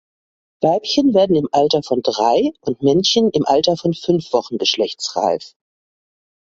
Weibchen werden im Alter von drei und Männchen im Alter von fünf Wochen geschlechtsreif.